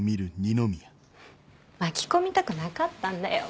巻き込みたくなかったんだよ。